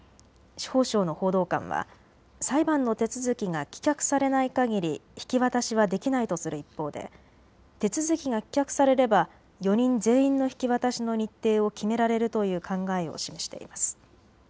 司法省の報道官は裁判の手続きが棄却されないかぎり引き渡しはできないとする一方で手続きが棄却されれば４人全員の引き渡しの日程を決められるという考えを示しています。